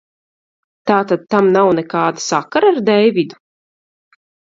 Tātad tam nav nekāda sakara ar Deividu?